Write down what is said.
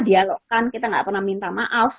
di dialog kan kita gak pernah minta maaf